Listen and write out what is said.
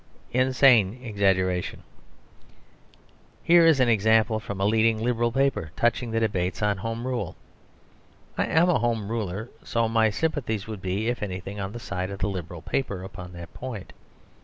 Insane Exaggeration Here is an example from a leading Liberal paper touching the debates on Home Rule. I am a Home Ruler; so my sympathies would be, if anything, on the side of the Liberal paper upon that point.